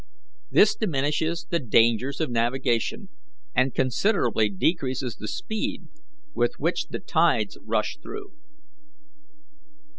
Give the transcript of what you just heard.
This diminishes the dangers of navigation and considerably decreases the speed with which the tides rush through.